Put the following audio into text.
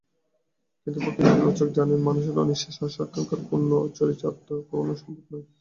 কিন্তু প্রকৃত বিবেচক জানেন, মানুষের অনিঃশেষ আশা-আকাঙ্ক্ষার পূর্ণ চরিতার্থতা কখনোই সম্ভব নয়।